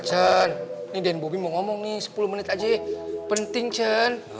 tin buka tin ini dan bobby mau ngomong nih sepuluh menit aja penting tin